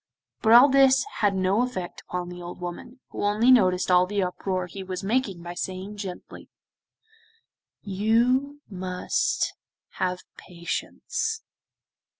But all this had no effect upon the old woman, who only noticed all the uproar he was making by saying gently: 'You must have patience.